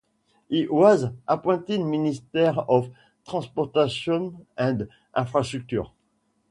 He was appointed Minister of Transportation and Infrastructure.